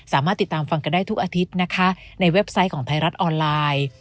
สามารถติดตามฟังกันได้ทุกอาทิตย์นะคะในเว็บไซต์ของไทยรัฐออนไลน์